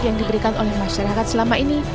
yang diberikan oleh masyarakat selama ini